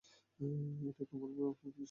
এটা তোমার অফিস।